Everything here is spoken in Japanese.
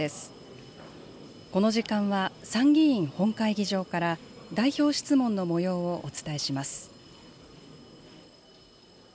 この時間は参議院本会議場から、代表質問のもようをお伝えします。